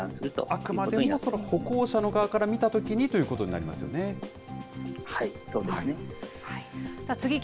あくまでもその歩行者の側から見たときにということになりまはい、